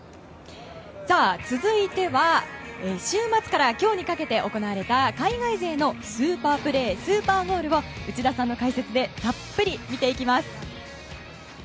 続いては週末から今日にかけて行われた海外勢のスーパープレースーパーゴールを内田さんの解説でたっぷり見ていきます。